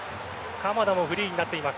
鎌田もフリーになっています。